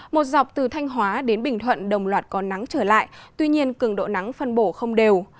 một dọc từ thanh hóa đến bình thuận đồng loạt có nắng trở lại tuy nhiên cường độ nắng phân bổ không đều